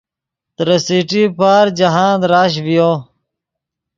ترے سٹی پارک جاہند رش ڤیو